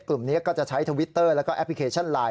กลุ่มนี้ก็จะใช้ทวิตเตอร์แล้วก็แอปพลิเคชันไลน